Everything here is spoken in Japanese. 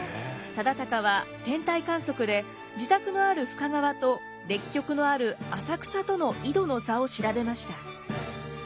忠敬は天体観測で自宅のある深川と暦局のある浅草との緯度の差を調べました。